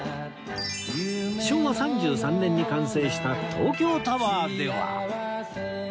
昭和３３年に完成した東京タワーでは